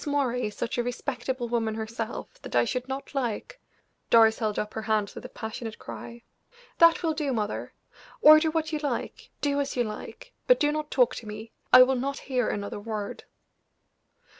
Moray is such a respectable woman herself that I should not like " Doris held up her hands with a passionate cry. "That will do, mother! Order what you like, do as you like, but do not talk to me; I will not hear another word."